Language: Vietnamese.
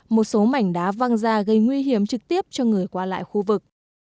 một số mảnh đá văng ra gây nguy hiểm trực tiếp cho người qua lại khu vực